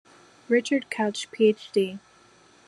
Richard Couch, PhD.